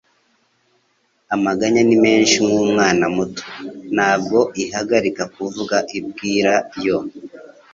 Amaganya ni menshi nkumwana muto. Ntabwo ihagarika kuvuga, ibwira yo